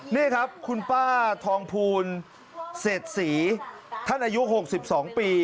นี่ครับคุณป้าทองภูนย์เศรษฐีท่านอายุหกสิบสองปี